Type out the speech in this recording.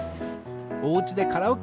おうちでカラオケ！